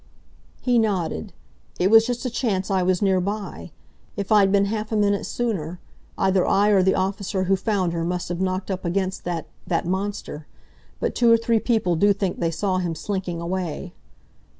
He nodded. "It was just a chance I was near by. If I'd been half a minute sooner either I or the officer who found her must have knocked up against that—that monster. But two or three people do think they saw him slinking away."